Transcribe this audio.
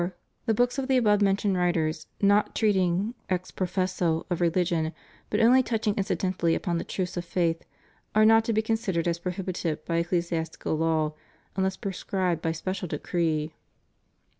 The books of the above mentioned writers, not treat ing ex professo of reUgion, but only touching incidentally upon the truths of faith, are not to be considered as pro hibited by ecclesiastical law, unless proscribed by special decree.